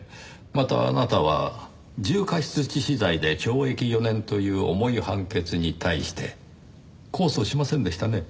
またあなたは重過失致死罪で懲役４年という重い判決に対して控訴しませんでしたね。